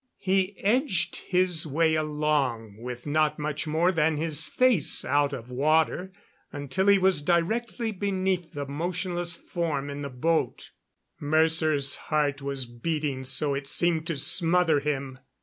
He edged his way along, with not much more than his face out of water, until he was directly beneath the motionless form in the boat. Mercer's heart was beating so it seemed to smother him.